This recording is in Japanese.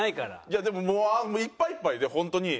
いやでももういっぱいいっぱいでホントに。